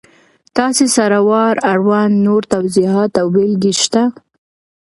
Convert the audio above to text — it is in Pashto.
تاسې سره د وار اړوند نور توضیحات او بېلګې شته!